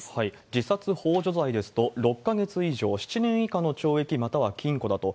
自殺ほう助罪ですと、６か月以上７年以下の懲役または禁錮だと。